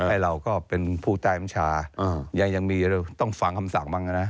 ไอ้เราก็เป็นผู้ใจอำชายังมีต้องฟังคำสั่งบ้างนะ